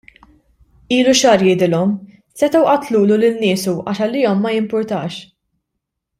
Ilu xahar jgħidilhom, setgħu qatlulu lil niesu għax għalihom ma jimpurtax.